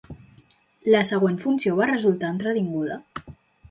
La següent funció va resultar entretinguda?